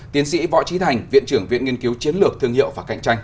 tiến sĩ võ trí thành viện trưởng viện nghiên cứu chiến lược thương hiệu và cạnh tranh